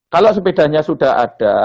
kalau sepedanya sudah ada